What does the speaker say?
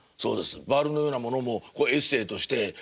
「バールのようなもの」もエッセーとして何だろう